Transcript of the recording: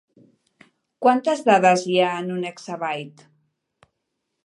Quantes dades hi ha en un exabyte?